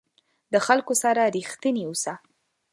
د خلکو سره رښتینی اوسه.